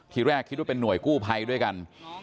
ทีแรกคิดว่าเป็นห่วยกู้ภัยด้วยกัน